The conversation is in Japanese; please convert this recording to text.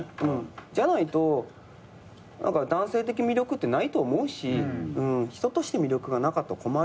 じゃないと男性的魅力ってないと思うし人として魅力がなかったら困るから。